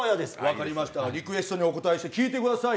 分かりましたリクエストにお応えして、聴いてください。